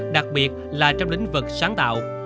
đặc biệt là trong lĩnh vực sáng tạo